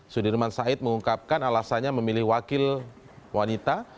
sudirman said mengungkapkan alasannya memilih wakil wanita